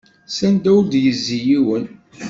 S anda ur ad yezzi yiwen.